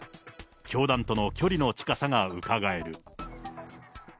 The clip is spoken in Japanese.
教団との距離の近さがうかがえる。